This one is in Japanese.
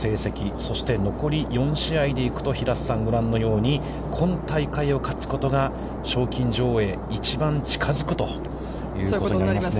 そして、残り４試合でいくと平瀬さん、ご覧のように、今大会を勝つことが賞金女王に一番近づくということになりますね。